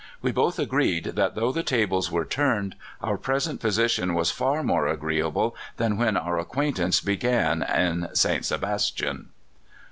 "We both agreed that, though the tables were turned, our present position was far more agreeable than when our acquaintance began in St. Sebastian."